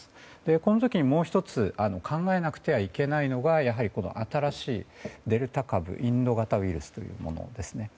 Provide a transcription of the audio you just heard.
この時に、もう１つ考えなくてはいけないのがやはり新しいデルタ株インド型ウイルスです。